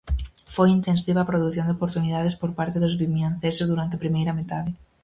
Foi intensiva a produción de oportunidades por parte dos vimianceses durante a primeira metade.